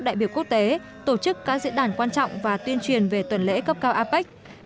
đại biểu quốc tế tổ chức các diễn đàn quan trọng và tuyên truyền về tuần lễ cấp cao apec